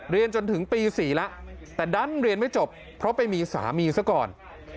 เรียนจนถึงปี๔แล้วแต่ดันเรียนไม่จบเพราะไปมีสามีซะก่อน